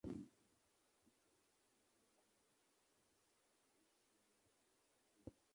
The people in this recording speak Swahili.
Pia una stesheni ya treni.